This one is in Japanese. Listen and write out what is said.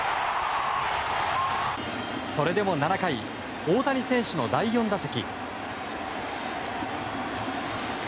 それでも７回大谷選手の第４打席。